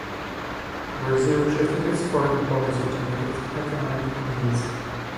Brazil shifted its foreign policy to meet its economic needs.